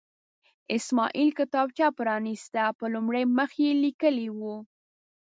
اسماعیل کتابچه پرانسته، په لومړي مخ یې لیکلي وو.